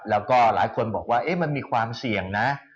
แล้วก็หลายคนบอกว่ามันมีความเสี่ยงนะ